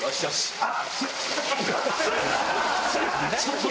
あっ。